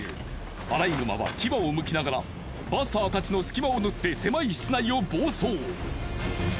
アライグマは牙をむきながらバスターたちの隙間を縫って狭い室内を暴走！